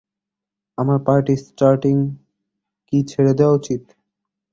আমার party starting কি ছেড়ে দেয়া উচিত?